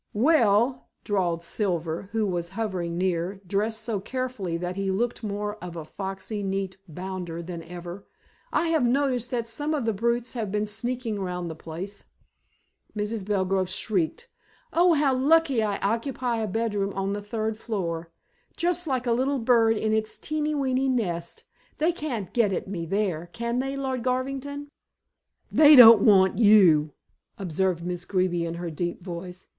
"Well," drawled Silver, who was hovering near, dressed so carefully that he looked more of a foxy, neat bounder than ever. "I have noticed that some of the brutes have been sneaking round the place." Mrs. Belgrove shrieked. "Oh, how lucky I occupy a bedroom on the third floor. Just like a little bird in its tiny weeny nest. They can't get at me there, can they, Lord Garvington?" "They don't want you," observed Miss Greeby in her deep voice.